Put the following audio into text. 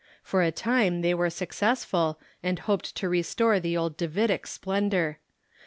For a time they were successful, and hoped to restore the old Davidic splendor.